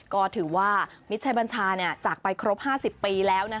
ก็ถือว่ามิตรชัยบัญชาจากไปครบ๕๐ปีแล้ว